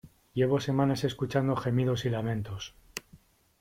llevo semanas escuchando gemidos y lamentos,